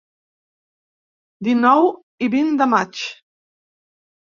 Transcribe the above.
Dinou i vint de maig.